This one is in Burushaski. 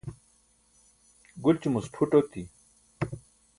gulćumuc phuṭ oti